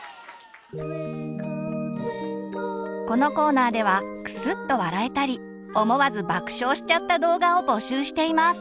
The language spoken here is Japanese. このコーナーではクスッと笑えたり思わず爆笑しちゃった動画を募集しています。